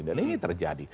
dan ini terjadi